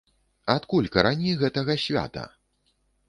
Адкуль карані гэтага свята?